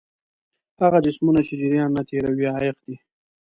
هغه جسمونه چې جریان نه تیروي عایق دي.